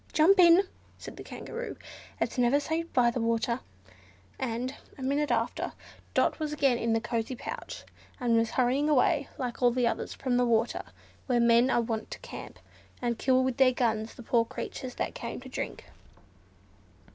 "Jump in!" said the Kangaroo, "it's never safe by the water," and, a minute after, Dot was again in the cosy pouch, and was hurrying away, like all the others, from the water where men are wont to camp, and kill with their guns the poor creatures that come to drink.